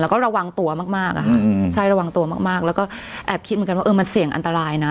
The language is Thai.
แล้วก็ระวังตัวมากอะค่ะใช่ระวังตัวมากแล้วก็แอบคิดเหมือนกันว่าเออมันเสี่ยงอันตรายนะ